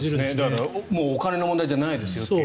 だから、お金の問題じゃないですよという。